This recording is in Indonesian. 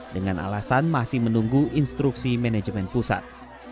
dengan alasan masih menunggu instruksi manajemen pusat